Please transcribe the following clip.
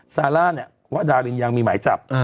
ซาร่าเนี่ยว่าดารินยังมีหมายจับ